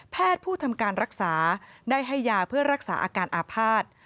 ผู้ทำการรักษาได้ให้ยาเพื่อรักษาอาการอาภาษณ์